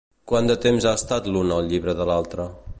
Quant de temps ha estat l'un al llibre de l'altre?